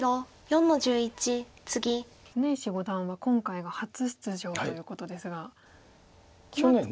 常石五段は今回が初出場ということですが小松九段は。